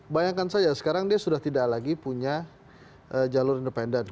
bayangkan saja sekarang dia sudah tidak lagi punya jalur independen